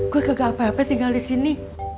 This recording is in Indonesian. gue gak apa apa tinggal disini